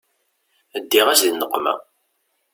Ddiɣ-as di nneqma.